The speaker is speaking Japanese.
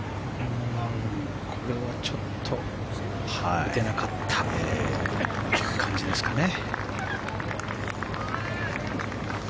これはちょっと打てなかった感じですかね。